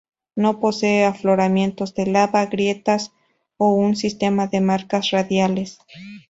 No posee afloramientos de lava, grietas o un sistema de marcas radiales.